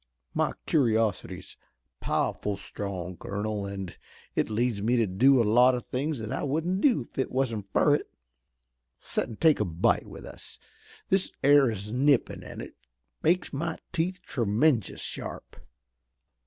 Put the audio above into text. My curiosity is pow'ful strong, colonel, an' it leads me to do a lot o' things that I wouldn't do if it wasn't fur it. Set an' take a bite with us. This air is nippin' an' it makes my teeth tremenjous sharp."